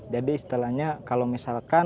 jadi istilahnya kalau misalkan